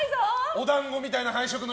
お団子みたいな配色の。